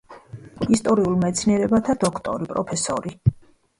ისტორიულ მეცნიერებათა დოქტორი, პროფესორი.